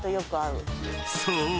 ［そう。